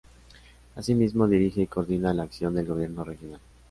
Asimismo, dirige y coordina la acción del Gobierno regional.